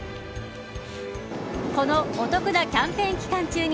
このお得なキャンペーン期間中に